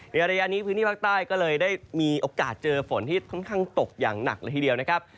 ระยะนี้พื้นที่ภาคใต้ก็เลยได้มีโอกาสเจอฝนที่ค่อนข้างตกอย่างหนักเลยทีเดียวนะครับ